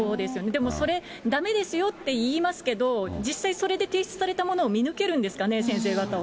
でもそれ、だめですよって言いますけれども、実際、それで提出されたものを見抜けるんですかね、先生方は。